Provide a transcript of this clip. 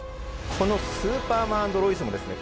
この「スーパーマン＆ロイス」もですね